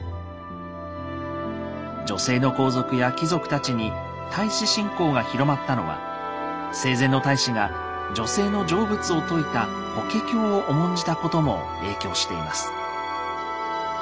女性の皇族や貴族たちに太子信仰が広まったのは生前の太子が女性の成仏を説いた「法華経」を重んじたことも影響しています。